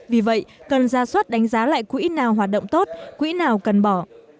vì vậy cần ra suất đánh giá lại quỹ nào hoạt động tốt quỹ nào cần bỏ